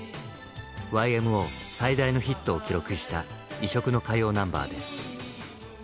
ＹＭＯ最大のヒットを記録した異色の歌謡ナンバーです。